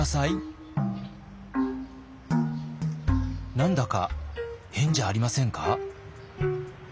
何だか変じゃありませんか？